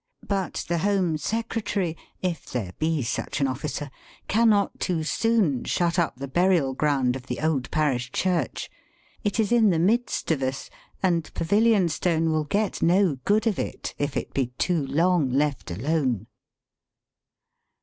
But the Home Secretary (if there be such an officer) cannot too soon shut up the burial ground of the old parish church. It is in the midst of us, and Pavilionstone will get no good of it, if it be too long left alone.